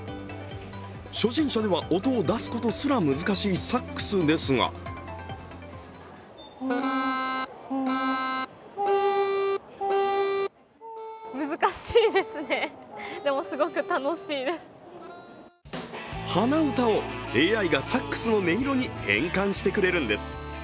初心者では音を出すことすら難しいサックスですが鼻歌をＡＩがサックスの音色に変換してくれるんです。